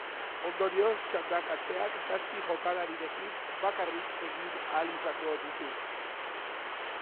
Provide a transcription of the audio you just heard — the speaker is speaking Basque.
Ondorioz, txandakatzeak zazpi jokalarirekin bakarrik egin ahal izango ditu.